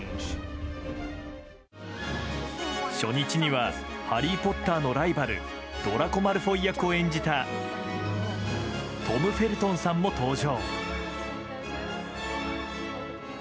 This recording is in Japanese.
初日にはハリー・ポッターのライバルドラコ・マルフォイ役を演じたトム・フェルトンさんも登場。